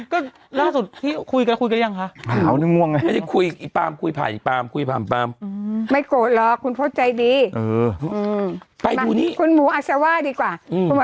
ก็ล่าสุดที่คุยกันคุยกันหรือยังคะหงาวนึงหงวงไงไม่ได้คุยอีปามคุยผ่ายอีปามคุยอีปามปาม